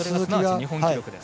日本記録です。